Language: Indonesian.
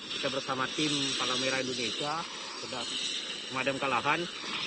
kita bersama tim palang merah indonesia sudah memadamkan lahan